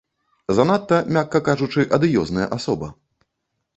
Занадта, мякка кажучы, адыёзная асоба.